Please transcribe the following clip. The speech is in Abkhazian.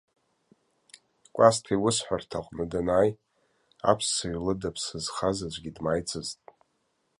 Кәасҭа иусҳәарҭаҟны данааи, аԥссаҩ лыда ԥсы зхаз аӡәгьы дмааицызт.